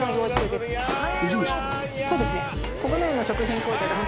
そうですね。